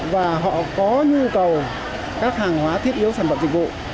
và họ có nhu cầu các hàng hóa thiết yếu sản phẩm dịch vụ